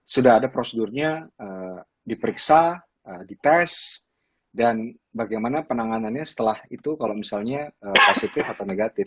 sudah ada prosedurnya diperiksa dites dan bagaimana penanganannya setelah itu kalau misalnya positif atau negatif